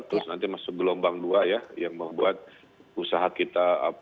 terus nanti masuk gelombang dua ya yang membuat usaha kita